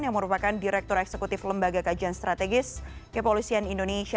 yang merupakan direktur eksekutif lembaga kajian strategis kepolisian indonesia